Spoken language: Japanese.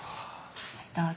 どうぞ。